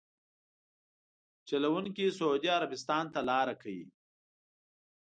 چلونکي سعودي عربستان ته لاره کوي.